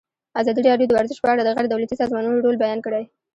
ازادي راډیو د ورزش په اړه د غیر دولتي سازمانونو رول بیان کړی.